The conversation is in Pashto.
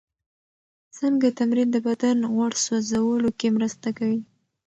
څنګه تمرین د بدن غوړ سوځولو کې مرسته کوي؟